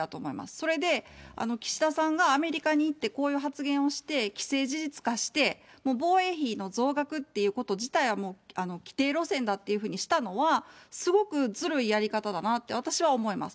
それで、岸田さんがアメリカに行って、こういう発言をして、既成事実化して、もう防衛費の増額っていうこと自体は既定路線だってしたのは、すごくずるいやり方だなって、私は思います。